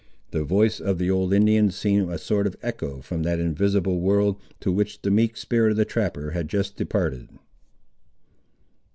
The voice of the old Indian seemed a sort of echo from that invisible world, to which the meek spirit of the trapper had just departed.